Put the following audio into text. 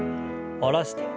下ろして。